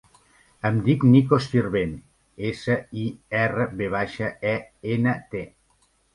Em dic Niko Sirvent: essa, i, erra, ve baixa, e, ena, te.